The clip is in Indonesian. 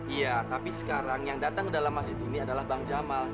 iya tapi sekarang yang datang ke dalam masjid ini adalah bang jamal